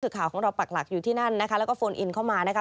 คือข่าวของเราปักหลักอยู่ที่นั่นนะคะแล้วก็โฟนอินเข้ามานะคะ